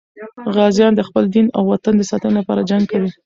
غازیان د خپل دین او وطن د ساتنې لپاره جنګ کوي.